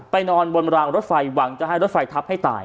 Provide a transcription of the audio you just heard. นอนบนรางรถไฟหวังจะให้รถไฟทับให้ตาย